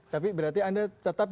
tapi berarti anda tetap